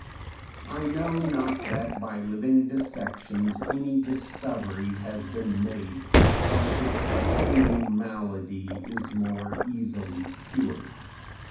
I know not that by living dissections any discovery has been made by which a single malady is more easily cured.